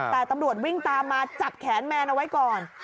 แต่ตำรวจวิ่งตามมาจับแขนแมนเอาไว้ก่อน